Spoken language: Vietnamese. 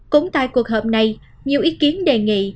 cũng tại cuộc họp này nhiều ý kiến đề nghị